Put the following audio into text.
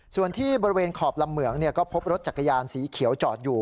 ส่วนที่บริเวณขอบลำเหมืองก็พบรถจักรยานสีเขียวจอดอยู่